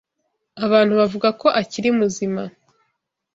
Abantu bavuga ko akiri muzima.